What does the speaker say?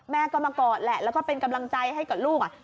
แม่ก็มากอดแหละแล้วก็เป็นกำลังใจให้กับลูก